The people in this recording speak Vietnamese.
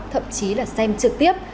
thậm chí là xem trực tiếp